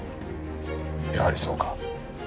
やはりそうか。